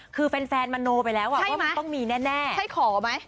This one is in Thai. คือแฟนมโนไปแล้วอ่ะว่ามันต้องมีแน่ใช่ขอไหม